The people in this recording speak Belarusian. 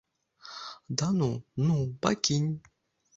Да ну, ну, пакінь!